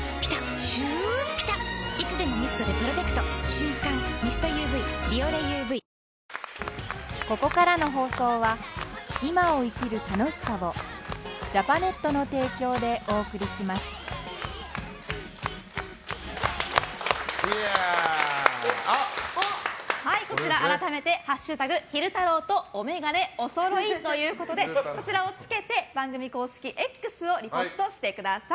瞬感ミストＵＶ「ビオレＵＶ」改めて「＃昼太郎とおメガネおそろい」ということでこちらをつけて、番組公式Ｘにリポストしてください。